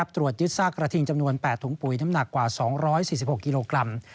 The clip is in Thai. ตรวจยึดซากกระทิงจำนวน๘ถุงปุ๋ยน้ำหนักกว่า๒๔๖กิโลกรัม